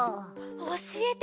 おしえて！